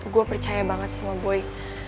gue percaya banget sama boy